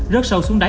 rớt sâu xuống đáy hai